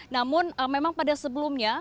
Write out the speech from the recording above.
namun memang pada sebelumnya